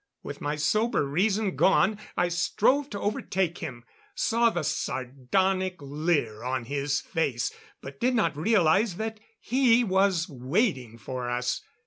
With my sober reason gone, I strove to overtake him; saw the sardonic leer on his face but did not realize that he was waiting for us.